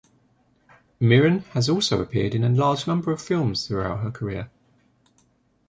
Mirren has also appeared in a large number of films throughout her career.